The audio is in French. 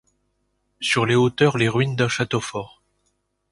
Sur les hauteurs les ruines d'un château fort.